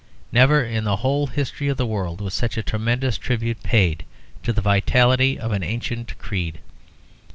Never in the whole history of the world was such a tremendous tribute paid to the vitality of an ancient creed.